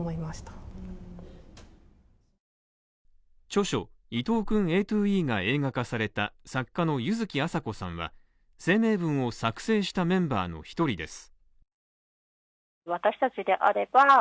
著書「伊藤くんＡｔｏＥ」が映画化された作家の柚木麻子さんは声明文を作成したメンバーの一人です。